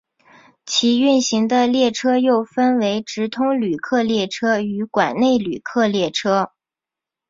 其运行的列车又分为直通旅客列车与管内旅客列车。